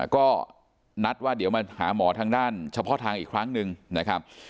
ก็นัดว่าเดี๋ยวมาหาหมอทางด้านเฉพาะทางอีกครั้งหนึ่งนะครับ